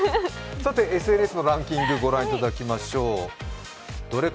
ＳＮＳのランキングをご覧いただきましょう。